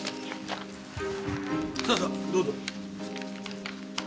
さあさあどうぞ。